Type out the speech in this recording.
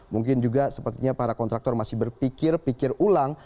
mungkin juga sepertinya para kontraktor masih berpikir pikir ulang